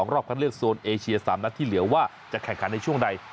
รอบคันเลือกโซนเอเชีย๓นัดที่เหลือว่าจะแข่งขันในช่วงใด